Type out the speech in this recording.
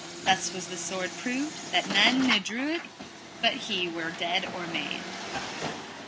Thus was the sword proved, that none ne drew it but he were dead or maimed.